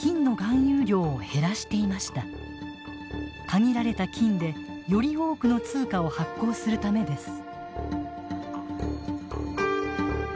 限られた金でより多くの通貨を発行するためです。